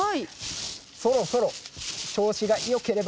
そろそろ調子がよければ。